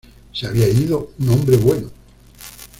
Se había ido un hombre bueno.